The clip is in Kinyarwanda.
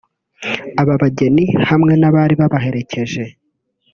Aba bageni hamwe n’abari babaherekeje